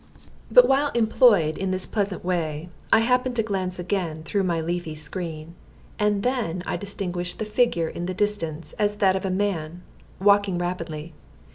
But while employed in this pleasant way, I happened to glance again through my leafy screen, and then I distinguished the figure in the distance as that of a man walking rapidly.